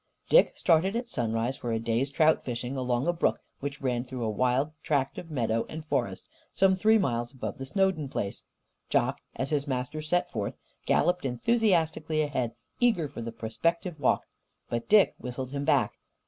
Dick started at sunrise for a day's trout fishing along a brook which ran through a wild tract of meadow and forest, some three miles above the Snowden place. Jock, as his master set forth, galloped enthusiastically ahead, eager for the prospective walk. But Dick whistled him back.